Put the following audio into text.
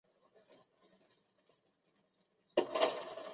同治进士尹寿衡之子。